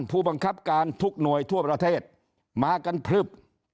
ผู้บังคับการทุกหน่วยทั่วประเทศมากันพลึบ